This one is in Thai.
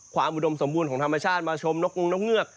อุดมสมบูรณ์ของธรรมชาติมาชมนกงนกเงือก